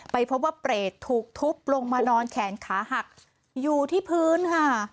ไปพบว่าเปรตถูกทุบลงมานอนแขนขาหักอยู่ที่พื้นค่ะ